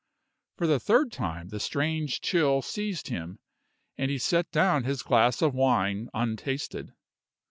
For the third time the strange chill seized him, and he set down his glass of wine untasted.